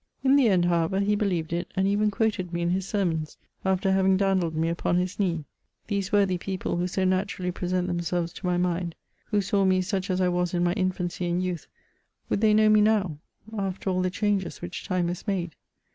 In the end, howemr, he believed it, and even quoted me in his sermons, after having dandled me upon his Imee. These worthy people, who so naturally present themselves to my mind, who saw me such as I was in my infancy and youth, would they know me now, after all the changes which lime has made